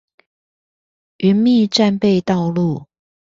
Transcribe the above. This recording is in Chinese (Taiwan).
澐密戰備道路